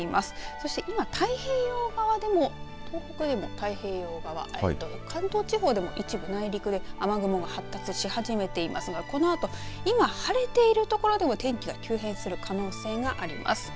そして今、太平洋側でも東北でも太平洋側関東地方でも一部内陸で雨雲が発達し始めていますがこのあと今、晴れているところでも天気が急変する可能性があります。